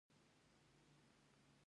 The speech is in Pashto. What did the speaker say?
ښه توضیحات د پیرودونکي باور زیاتوي.